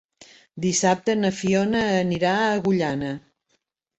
Dissabte na Fiona anirà a Agullana.